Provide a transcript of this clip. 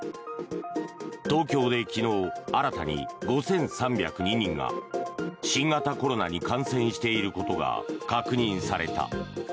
東京で昨日、新たに５３０２人が新型コロナに感染していることが確認された。